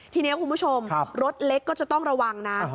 ทีนี้คุณผู้ชมรถเล็กก็จะต้องระวังนะ